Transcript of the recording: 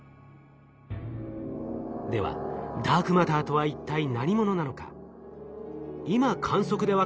ではダークマターとは一体何者なのか？